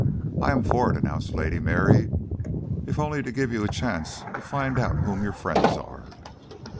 "I am for it," announced Lady Mary, "if only to give you a chance to find out whom your friends are."